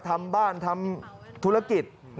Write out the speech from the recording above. ทำบ้านทำธุรกิจ